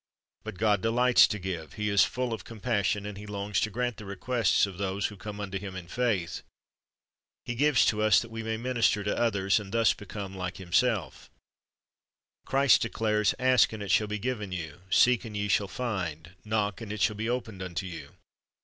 But God delights to give. He is full of compassion, and He longs to grant the requests of those who come unto Him in faith. He gives to us that we may minister to others, and thus become like Himself Christ declares, "Ask, and it shall be given you; seek, and ye shall find; knock, and it shall be opened unto you.